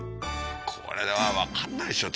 これは分かんないでしょ。